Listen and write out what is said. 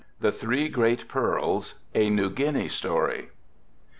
THE THREE GREAT PEARLS. A New Guinea Story.